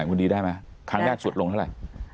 คุณดีได้ไหมครั้งแรกสุดลงเท่าไหร่